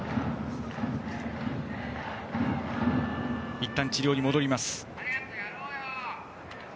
いったん治療に戻ります。